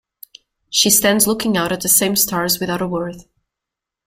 She stands looking out at the same stars without a word.